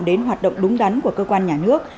đến hoạt động đúng đắn của cơ quan nhà nước